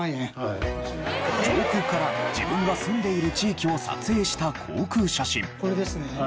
上空から自分が住んでいる地域を撮影した航空写真。